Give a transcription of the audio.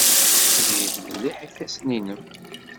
Ssirid mliḥ ifassen-nnem.